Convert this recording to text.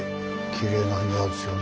きれいな庭ですよね。